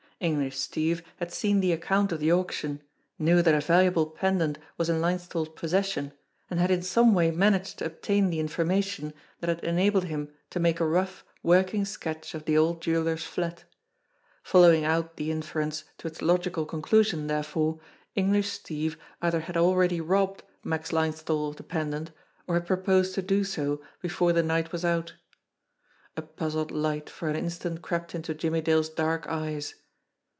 English Steve had seen the account of the auc tion, knew that a valuable pendant was in Linesthal's pos session, and had in some way managed to obtain the in formation that had enabled him to make a rough, working sketch of the old jeweller's flat. Following out the inference to its logical conclusion, therefore, English Steve either hac* already robbed Max Linesthal of the pendant, or had pre posed to do so before the night was out. A puzzled light for an instant crept into Jimmie Dale's dark eyes.